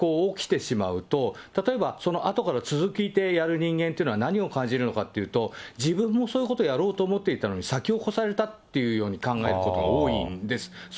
そうすると、そういう事件というのが、もし先行して起きてしまうと、例えばそのあとから続けてやる人間というのは、何を感じるのかというと、自分もそういうことをやろうと思っていたのに、先を越されたっていうように考えることが多いんです。